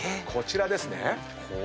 こちらですね。